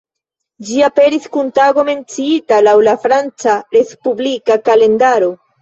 Ĝi aperis kun tago menciita laŭ la Franca respublika kalendaro.